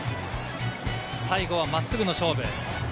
最後は真っすぐの勝負。